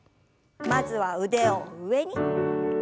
まずは腕を上に。